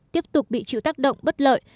tiếp tục bị chịu tác động bất lợi